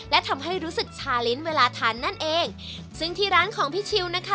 และทำให้รู้สึกชาลิ้นเวลาทานนั่นเองซึ่งที่ร้านของพี่ชิวนะคะ